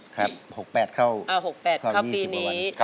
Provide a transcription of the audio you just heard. ครับ๖สิบ๘เข้า๒๐ปีนี้